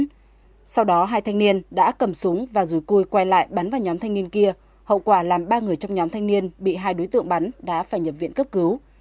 sau đó hai thanh niên đã cầm súng và dù cui quay lại bắn vào nhóm thanh niên kia hậu quả làm ba người trong nhóm thanh niên bị hai đối tượng bắn đã phải nhập viện cấp cứu